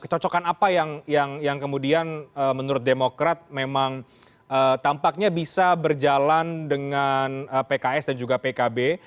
kecocokan apa yang kemudian menurut demokrat memang tampaknya bisa berjalan dengan pks dan juga pkb